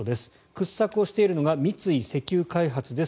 掘削をしているのが三井石油開発です。